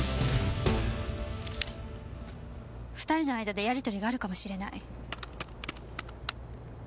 ２人の間でやり取りがあるかもしれない。